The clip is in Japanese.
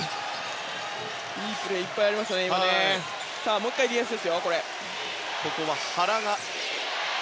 もう１回ディフェンスですよ。